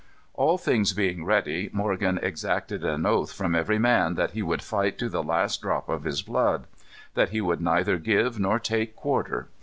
All things being ready, Morgan exacted an oath from every man that he would fight to the last drop of his blood; that he would neither give nor take quarter.